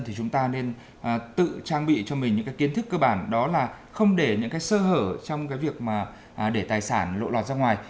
thì chúng ta nên tự trang bị cho mình những kiến thức cơ bản đó là không để những sơ hở trong việc để tài sản lộ lọt ra ngoài